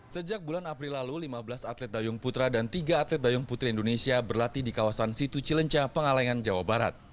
sejak bulan april lalu lima belas atlet dayung putra dan tiga atlet dayung putri indonesia berlatih di kawasan situ cilenca pengalengan jawa barat